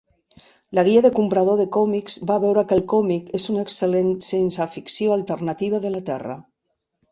La Guia de comprador de còmics va veure que el còmic és una excel·lent ciència ficció alternativa de la Terra.